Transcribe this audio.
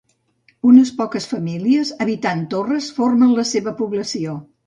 Unes poques famílies habitant torres formen la seva població.